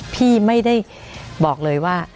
พี่ไม่ได้บอกเลยว่า